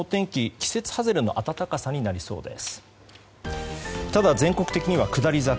季節外れの暖かさになりそうです。